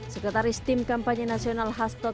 sekretaris tim kampanye nasional hasto